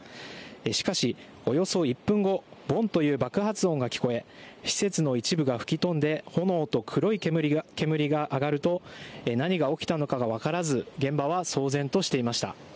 しかし、およそ１分後ボンという爆発音が聞こえ施設の一部が吹き飛んで炎と黒い煙が上がると何が起きたのかが分からず現場は騒然としていました。